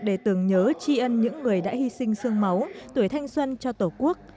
để tưởng nhớ tri ân những người đã hy sinh sương máu tuổi thanh xuân cho tổ quốc